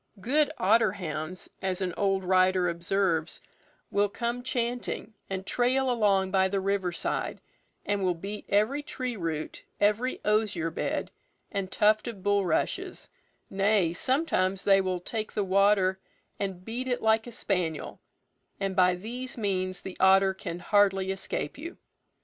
"Good otter hounds," as an old writer observes, "will come chanting, and trail along by the river side, and will beat every tree root, every osier bed, and tuft of bulrushes; nay, sometimes they will take the water and beat it like a spaniel, and by these means the otter can hardly escape you."